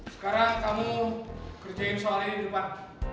sekarang kamu kerjain soalnya di depan